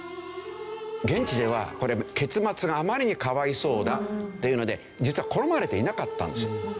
現地ではこれ結末があまりにかわいそうだっていうので実は好まれていなかったんです。